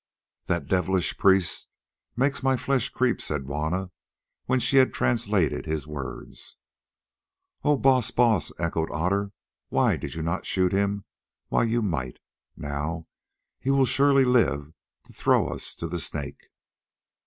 "That devilish priest makes my flesh creep," said Juanna, when she had translated his words. "Oh! Baas, Baas," echoed Otter, "why did you not shoot him while you might? Now he will surely live to throw us to the Snake."